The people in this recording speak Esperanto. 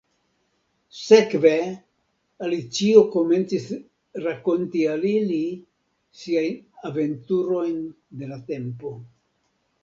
Sekve, Alicio komencis rakonti al ili siajn aventurojn de la tempo.